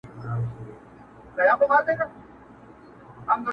رنگ په رنگ خوږې میوې او خوراکونه،